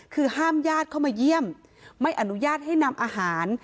คือห้ามญาติเข้ามาเยี่ยมไม่อนุญาตให้นำอาหาร